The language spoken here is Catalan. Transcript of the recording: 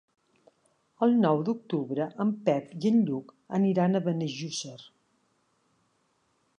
El nou d'octubre en Pep i en Lluc aniran a Benejússer.